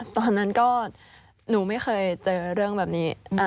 ตอนนั้นก็หนูไม่เคยเจอเรื่องแบบนี้